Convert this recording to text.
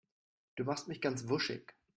Du machst mich ganz wuschig.